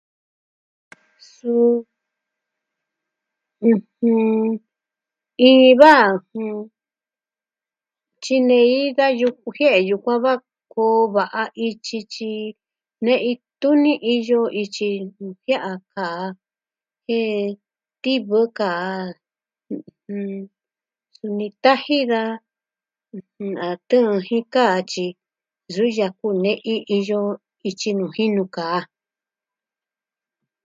Suu, ɨjɨn... iin da tyinei da yuku jie'e yukuan va koo va'a ityi tyi ne'i tuni iyo ityi jia'a a kaa jen tivɨ kaa suni taji da a tɨɨn jin kaa tyi yɨyakɨ nee iin iyo ityi nuu jinu kaa.